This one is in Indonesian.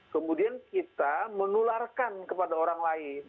kemudian kita menularkan kepada orang lain